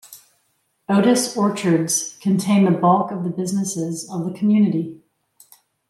Otis Orchards contains the bulk of the businesses of the community.